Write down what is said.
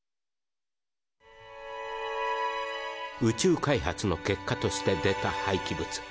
宇宙開発の結果として出たはいき物